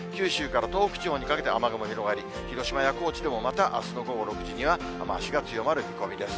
東北地方にかけて雨雲が広がり、広島や高知でもまたあすの午後６時には、雨足が強まる見込みです。